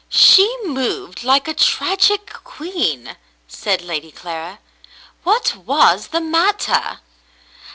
" She moved like a tragic queen," said Lady Clara. "What was the matter